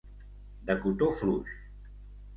De cotó fluix.